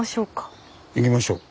行きましょう。